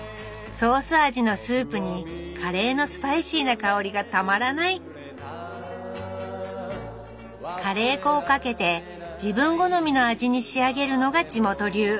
ソース味のスープにカレーのスパイシーな香りがたまらないカレー粉をかけて自分好みの味に仕上げるのが地元流。